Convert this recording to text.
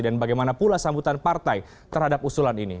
bagaimana pula sambutan partai terhadap usulan ini